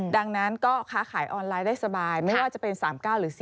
ดังนั้นก็ค้าขายออนไลน์ได้สบายไม่ว่าจะเป็น๓๙หรือ๔